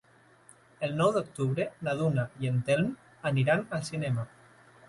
El nou d'octubre na Duna i en Telm iran al cinema.